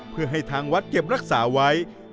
เพื่อให้ทางวัดเก็บรักษาไว้